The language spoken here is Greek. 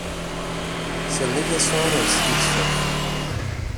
σε λίγες ώρες ίσως